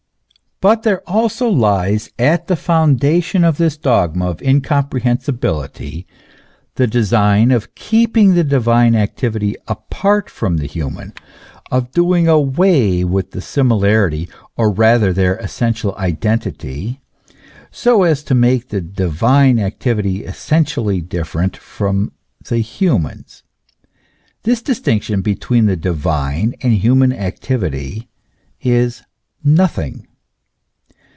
But there also lies at the foundation of this dogma of incom prehensibility the design of keeping the divine activity apart from the human, of doing away with their similarity, or rather their essential identity, so as to make the divine activity essentially different from the human. This distinction between the divine and human activity is " nothing."